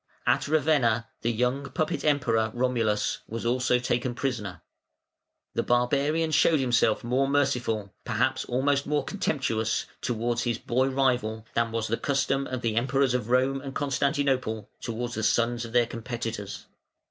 At Ravenna the young puppet Emperor, Romulus, was also taken prisoner. The barbarian showed himself more merciful, perhaps also more contemptuous, towards his boy rival than was the custom of the Emperors of Rome and Constantinople towards the sons of their competitors.